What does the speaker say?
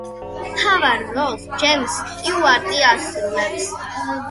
მთავარ როლს ჯეიმზ სტიუარტი ასრულებს.